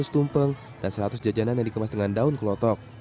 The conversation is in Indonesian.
seratus tumpeng dan seratus jajanan yang dikemas dengan daun kelotok